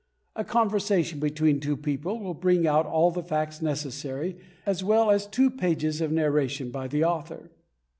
A conversation between two people will bring out all the facts necessary as well as two pages of narration by the author.